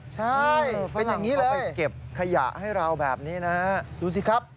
ใช่เป็นอย่างนี้เลยไปเก็บขยะให้เราแบบนี้นะฮะดูสิครับ